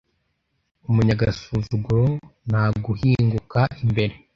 umunyagasuzuguro ntaguhinguka imbere